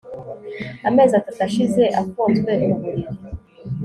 Amezi atatu ashize afunzwe ku buriri